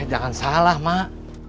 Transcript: biasanya dia punya pacar yang pinter juga